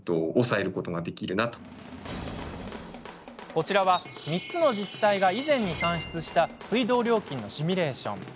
こちらは３つの自治体が以前に算出した水道料金のシミュレーション。